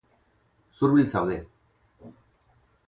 Zurbil zaude.